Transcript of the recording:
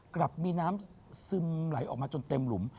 กลับมีน้ำซึมไหลออกมาจนเต็มหลุม